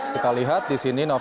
kita lihat di sini novel baswedan